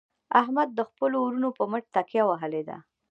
احمد د خپلو ورڼو په مټ تکیه وهلې ده.